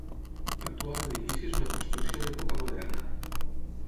L'actual edifici és una construcció d'època moderna.